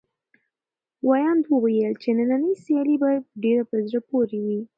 ویاند وویل چې نننۍ سیالي به ډېره په زړه پورې وي.